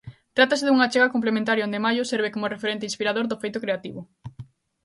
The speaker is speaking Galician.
Trátase dunha achega complementaria onde Mallo serve como referente inspirador do feito creativo.